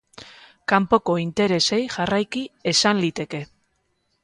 Kanpoko interesei jarraiki, esan liteke.